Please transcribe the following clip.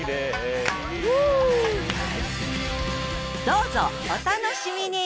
どうぞお楽しみに！